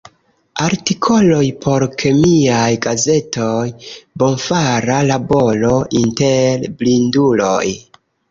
Artikoloj por kemiaj gazetoj; bonfara laboro inter blinduloj.